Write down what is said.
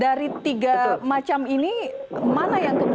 dari tiga macam ini mana yang kemudian